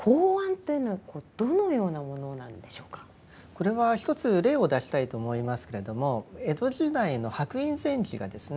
これは一つ例を出したいと思いますけれども江戸時代の白隠禅師がですね